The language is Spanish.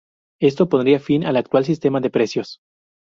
Esto pondría fin al actual sistema de precios.